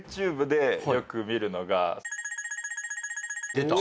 出た。